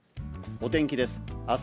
お天気です。